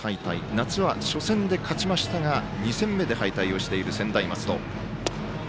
夏は初戦で勝ちましたが２戦目で敗退している専大松戸。